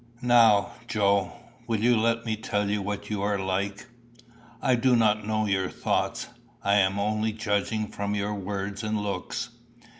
Now, Joe, will you let me tell you what you are like I do not know your thoughts; I am only judging from your words and looks?"